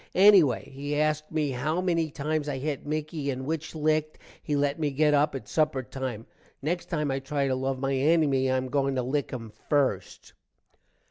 ennyway he asked me how many times i hit Micky and which licked. he let me get up at supper time. next time i try to love my ennymy i am a going to lick him first.